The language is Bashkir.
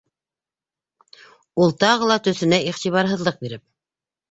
Ул, тағы ла төҫөнә иғтибарһыҙлыҡ биреп: